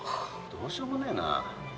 どうしようもねえな。